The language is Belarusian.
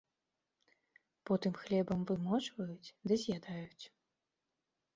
Потым хлебам вымочваюць ды з'ядаюць.